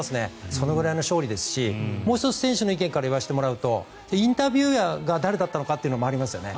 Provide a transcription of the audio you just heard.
そのぐらいの勝利ですしもう１つ選手の意見から言わせてもらうとインタビュアーが誰だったのかも気になりますよね。